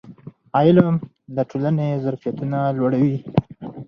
علم د ټولنې ظرفیتونه لوړوي.